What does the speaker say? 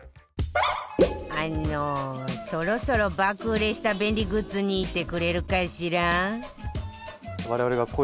あのそろそろ爆売れした便利グッズにいってくれるかしら？